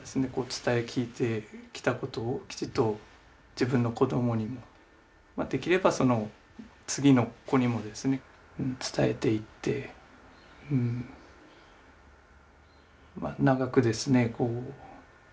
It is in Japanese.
伝え聞いてきたことをきちっと自分の子どもにもできればその次の子にもですね伝えていってうん長くですね